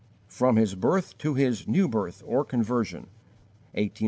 From his birth to his new birth or conversion: 1805 1825.